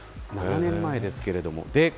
７年前ですけど。